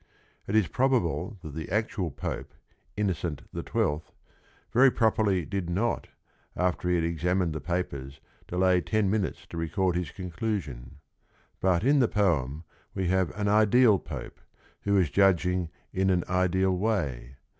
It is probable that the actual Pope, Innocent XII, very properly did not, after he had examined the papers, delay ten minutes to record his con clusion. But in the poem we have an ideal Pope, who is judging in an ideal way.